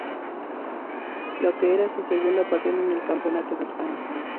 La que era su segunda participación en el Campeonato de España.